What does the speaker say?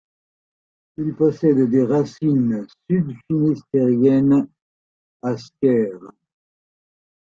Il possède des racines sud-finistériennes, à Scaër.